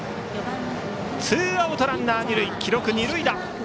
ツーアウトランナー、二塁記録二塁打。